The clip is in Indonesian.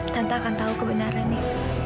tante akan tahu kebenarannya